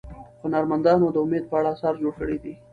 هنرمندانو د امید په اړه اثار جوړ کړي دي.